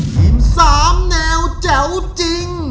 ทีม๓แนวแจ๋วจริง